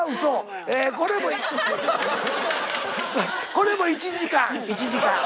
これも１時間１時間。